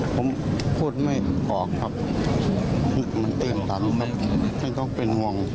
ผมพูดไม่ออกครับมันเต้นตันครับไม่ต้องเป็นห่วง